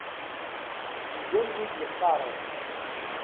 Mgal wid yeqqaren.